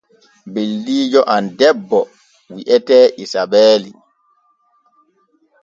Ɓeldiijo am debbo wi’etee Isabeeli.